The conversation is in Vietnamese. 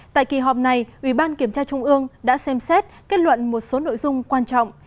tại kỳ họp này ubnd đã xem xét kết luận một số nội dung quan trọng